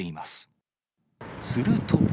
すると。